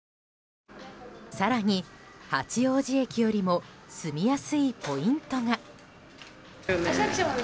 更に、八王子駅よりも住みやすいポイントが。